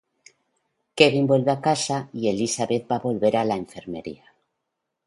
Kevin vuelve a casa y Elizabeth va a volver a la enfermería.